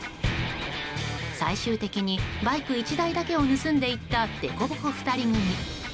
最終的にバイク１台だけを盗んでいったデコボコ２人組。